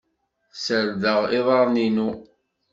Serdeɣ iḍaren-inu.